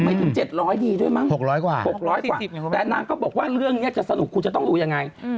อืม๖๐๐กว่าแล้วเขาบอกว่าเรื่องนี้จะสนุกคุณจะต้องรู้ยังไงอืม